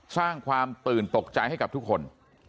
สร้างความตื่นตกใจให้กับทุกคน